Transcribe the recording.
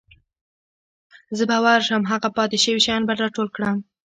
زه به ورشم هغه پاتې شوي شیان به راټول کړم.